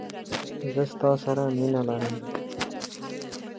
زه ستا سره مينه لرم.